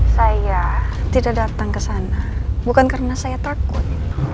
saya tidak datang ke sana bukan karena saya takut